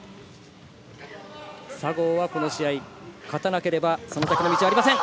佐合は、この試合勝たなければその先の道はありません。